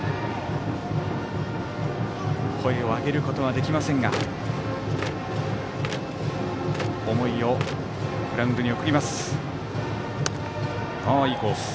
声を上げることはできませんが思いをグラウンドに送ります。